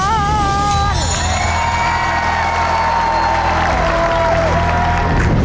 ขอบคุณมากี้ย